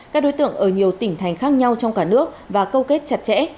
các đối tượng ở nhiều tỉnh thành khác nhau trong cả nước và câu kết chặt chẽ